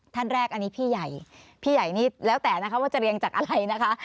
ท่านแรกอันนี้พี่ใหญ่พี่ใหญ่นี่แล้วแต่นะคะว่าจะเรียงจากอะไรนะคะ